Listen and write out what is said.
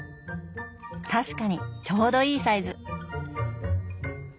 確かにちょうどいいサイズ！